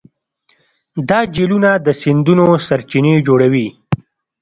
دا جهیلونه د سیندونو سرچینې جوړوي.